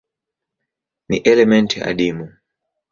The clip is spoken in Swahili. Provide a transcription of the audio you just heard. Ni elementi adimu.